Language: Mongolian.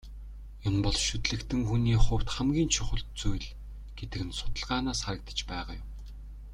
Энэ бол шүтлэгтэн хүний хувьд хамгийн чухал зүйл гэдэг нь судалгаанаас харагдаж байгаа юм.